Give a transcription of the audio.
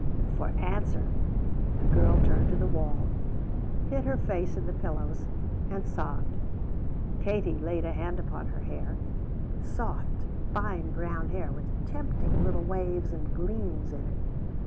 For answer the girl turned to the wall, hid her face in the pillows, and sobbed. Kate laid a hand upon her hair soft, fine brown hair with tempting little waves and gleams in it.